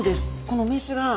このメスが。